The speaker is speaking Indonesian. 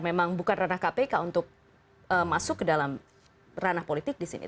memang bukan ranah kpk untuk masuk ke dalam ranah politik di sini